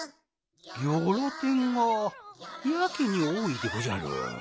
ギョロてんがやけにおおいでごじゃる。